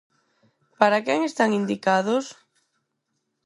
Para quen están indicados?